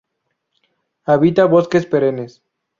Habita bosques perennes.